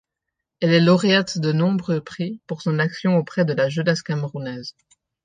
Elle est lauréate de nombreux prix pour son action auprès de la jeunesse camerounaise.